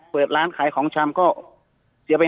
เปิดร้านขายของชามก็เสียไป๕๐๐๐๐